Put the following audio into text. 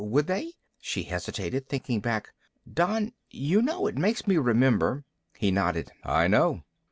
Would they?" She hesitated, thinking back. "Don, you know, it makes me remember " He nodded. "I know."